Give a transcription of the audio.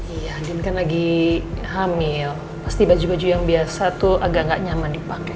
iya dulu kan lagi hamil pasti baju baju yang biasa tuh agak gak nyaman dipakai